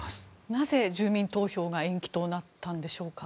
なぜ、住民投票が延期となったんでしょうか。